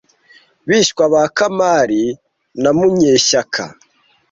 Bishywa ba Kamali na Munyeshyaka